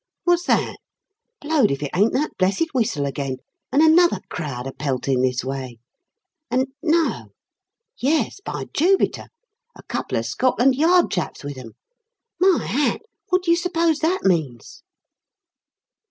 What's that? Blowed if it ain't that blessed whistle again, and another crowd a pelting this way; and no! yes, by Jupiter! a couple of Scotland Yard chaps with 'em. My hat! what do you suppose that means?"